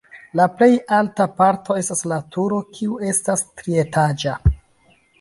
La plej alta parto estas la turo, kiu estas trietaĝa.